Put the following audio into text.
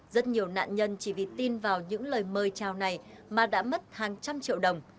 rất nhiều nạn nhân chỉ vì tin vào những lời mời chào này mà đã mất hàng trăm triệu đồng